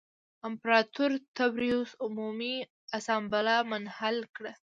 امپراتور تبریوس عمومي اسامبله منحل کړه